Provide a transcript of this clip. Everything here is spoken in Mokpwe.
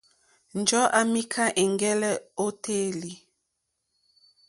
Njɔ̀ɔ́ à mìká ɛ̀ŋgɛ́lɛ́ ô téèlì.